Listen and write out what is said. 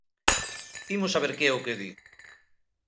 ¡Imos saber que é o que di!